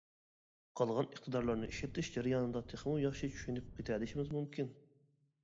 قالغان ئىقتىدارلارنى ئىشلىتىش جەريانىدا تېخىمۇ ياخشى چۈشىنىپ كېتەلىشىمىز مۇمكىن.